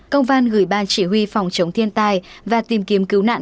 công văn gửi ban chỉ huy phòng chống thiên tai và tìm kiếm cứu nạn